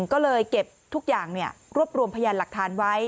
ก็เลยเก็บทุกอย่างรวบรวมพยานหลักฐานไว้